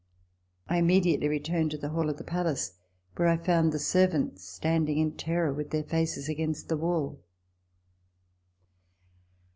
I immediately returned to the hall of the Palace, where I found the servants standing in terror, with their faces against the wall.